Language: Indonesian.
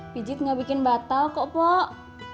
pijit gak bikin batal kok pak